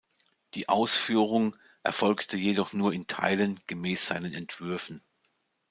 Die Ausführung erfolgte jedoch nur in Teilen gemäß seinen Entwürfen.